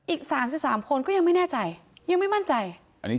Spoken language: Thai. อีก๓๓คนก็ยังไม่แน่ใจยังไม่มั่นใจอันนี้